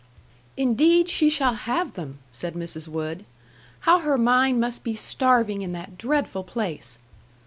"Indeed she shall have them!" said Mrs. Wood. "How her mind must be starving in that dreadful place!"